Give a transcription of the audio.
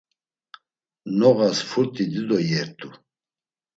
Noğas furt̆i dido iyert̆u.